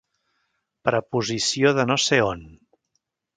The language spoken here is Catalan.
Preposició de no sé on.